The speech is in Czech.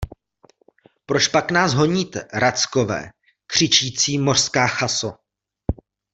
Pročpak nás honíte, rackové, křičící mořská chaso?